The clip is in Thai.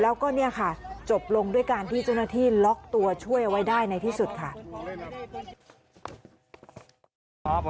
แล้วก็เนี่ยค่ะจบลงด้วยการที่เจ้าหน้าที่ล็อกตัวช่วยเอาไว้ได้ในที่สุดค่ะ